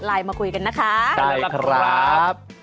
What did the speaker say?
ไลน์มาคุยกันนะคะได้ครับ